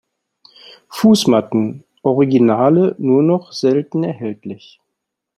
Fußmatten: Originale nur noch selten erhältlich.